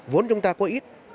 vốn chúng ta có ít